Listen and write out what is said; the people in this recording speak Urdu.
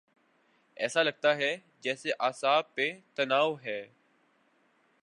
ایسا لگتاہے جیسے اعصاب پہ تناؤ ہے۔